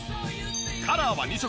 カラーは２色。